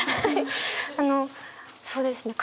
あのそうですね